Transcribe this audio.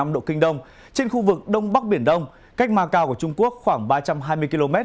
một trăm một mươi năm năm độ kinh đông trên khu vực đông bắc biển đông cách ma cao của trung quốc khoảng ba trăm hai mươi km